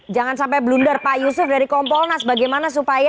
jangan sampai blunder pak yusuf dari kompolnas bagaimana supaya